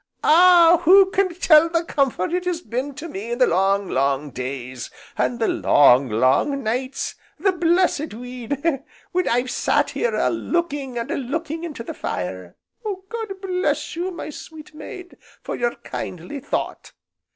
"Ah! who can tell the comfort it has been to me in the long, long days, and the long, long nights, the blessed weed! when I've sat here a looking and a looking into the fire. God bless you, my sweet maid, for your kindly thought!"